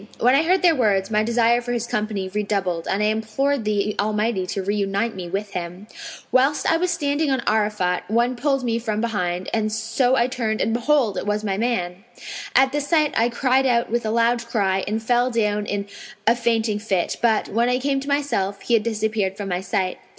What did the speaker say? When I heard their words, my desire for his company redoubled and I implored the Almighty to reunite me with him. Whilst I was standing on Arafat,[FN#505] one pulled me from behind, so I turned and behold, it was my man. At this sight I cried out with a loud cry and fell down in a fainting fit; but, when I came to myself he had disappeared from my sight.